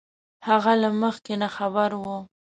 هغه له مخکې نه خبر وو